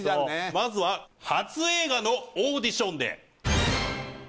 まずは「初映画のオーディションで」